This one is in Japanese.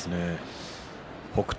北勝